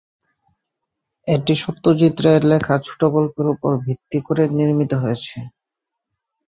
এটি সত্যজিৎ রায়ের লেখা ছোটগল্পের উপর ভিত্তি করে নির্মিত হয়েছে।